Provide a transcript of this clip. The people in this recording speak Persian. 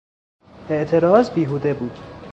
اعتراض بیهوده بود.